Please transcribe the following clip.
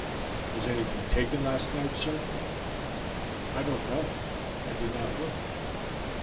"Was anything taken last night, sir?" "I don't know; I did not look.